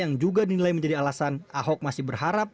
yang juga dinilai menjadi alasan ahok masih berharap